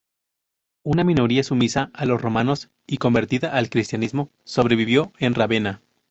Una minoría, sumisa a los romanos y convertida al cristianismo, sobrevivió en Rávena.